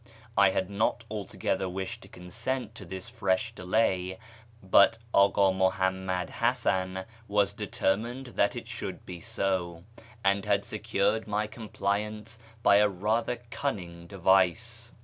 I had not altogether wished to consent to this fresh delay, but Aka Muhammad Hasan was determined that it should be so, and had secured my compliance by a rather cunning device.